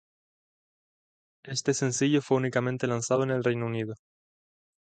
Este sencillo fue únicamente lanzado en el Reino Unido.